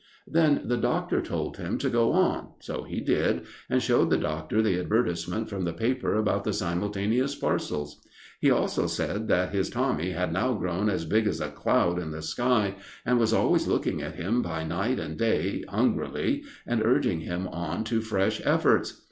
Then the doctor told him to go on, so he did, and showed the doctor the advertisement from the paper about the simultaneous parcels. He also said that his Tommy had now grown as big as a cloud in the sky, and was always looking at him by night and day hungrily, and urging him on to fresh efforts.